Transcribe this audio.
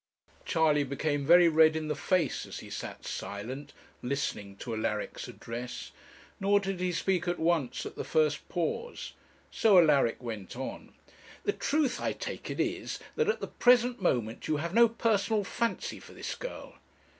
Charley became very red in the face as he sat silent, listening to Alaric's address nor did he speak at once at the first pause, so Alaric went on. 'The truth, I take it, is, that at the present moment you have no personal fancy for this girl.'